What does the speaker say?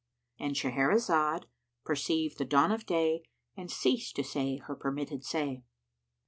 —And Shahrazad perceived the dawn of day and ceased to say her permitted say.